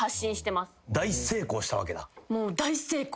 大成功したわけだ。